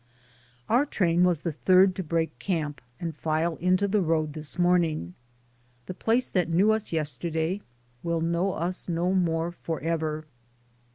Our train was the third to break camp and file into the road this morning. The place that knew us yesterday will know us no more forever.